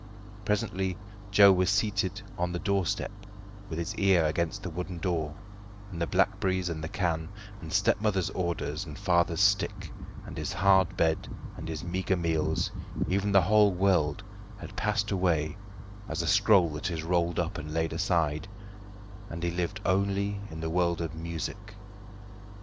Presently Joe was seated on the doorstep, with his ear against the wooden door, and the blackberries and the can, and stepmother's orders and father's stick, and his hard bed and his meagre meals, even the whole world had passed away as a scroll that is rolled up and laid aside, and he lived only in the world of music.